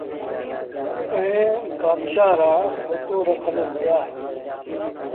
ائيٚݩ بآشآهآن رآ ڦوٽو رکل هُݩدآ۔